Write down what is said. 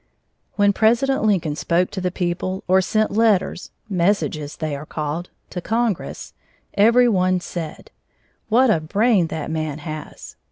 When President Lincoln spoke to the people, or sent letters (messages, they are called) to Congress, every one said: "What a brain that man has!"